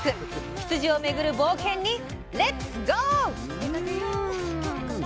羊をめぐる冒険にレッツゴー！